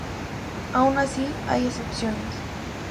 Aun así, hay excepciones.